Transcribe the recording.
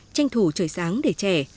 tranh thủ trời sáng để chẻ